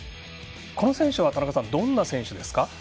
この選手は、どんな選手ですか？